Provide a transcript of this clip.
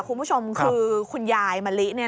คุณผู้ชมคือคุณยายมะลิ